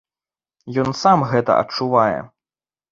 Ён сам гэта адчувае.